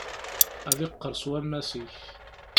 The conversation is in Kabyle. Ad iqqerṣ wammas-ik.